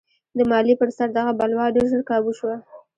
د مالیې پر سر دغه بلوا ډېر ژر کابو شوه.